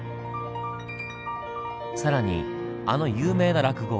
更にあの有名な落語。